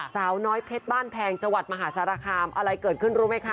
สาวน้อยเพชรบ้านแพงจังหวัดมหาสารคามอะไรเกิดขึ้นรู้ไหมคะ